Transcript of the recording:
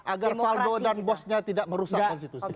agar faldo dan bosnya tidak merusak konstitusi